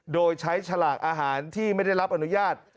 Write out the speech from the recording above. โดยใช้ฉลากอาหารที่ไม่ได้รับอนุญาต